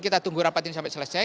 kita tunggu rapat ini sampai selesai